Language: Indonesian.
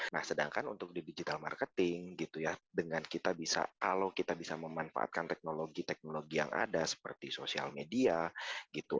nah sedangkan untuk di digital marketing gitu ya dengan kita bisa kalau kita bisa memanfaatkan teknologi teknologi yang ada seperti sosial media gitu